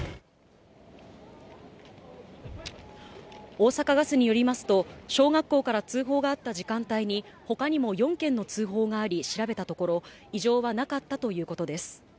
大阪ガスによりますと、小学校から通報があった時間帯に、ほかにも４件の通報があり、調べたところ、異常はなかったということです。